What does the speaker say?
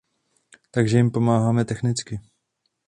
Takže jim pomáháme technicky.